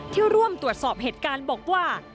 ร่วมตรวจสอบเหตุการณ์บอกว่า